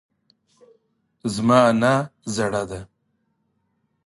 زما نیا زړه ده